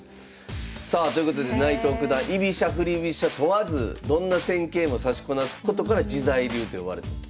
さあということで内藤九段居飛車振り飛車問わずどんな戦型も指しこなすことから自在流と呼ばれたと。